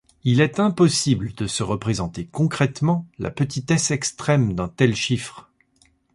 Il est impossible de se représenter concrètement la petitesse extrême d'un tel chiffre.